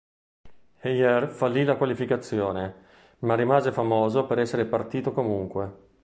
Heyer fallì la qualificazione, ma rimase famoso per essere partito comunque.